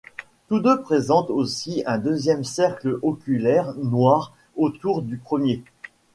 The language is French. Tous deux présentent aussi un deuxième cercle oculaire noir autour du premier.